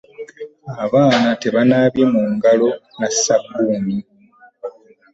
Abaana tebanabye mungalo be sabbuni